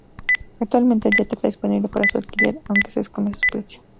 Actualmente el yate está disponible para su alquiler, aunque se desconoce su precio.